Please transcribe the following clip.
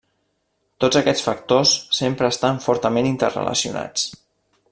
Tots aquests factors sempre estan fortament interrelacionats.